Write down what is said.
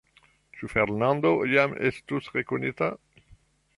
Ĉu Fernando jam estus rekonita?